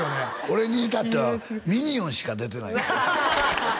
俺にいたっては「ミニオン」しか出てないハハハ